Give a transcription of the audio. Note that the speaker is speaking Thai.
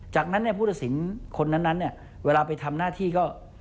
จากนั้นเนี่ยผู้ตัดสินคนนั้นเนี่ยเวลาไปทำหน้าที่ก็